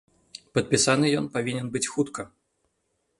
Падпісаны ён павінен быць хутка.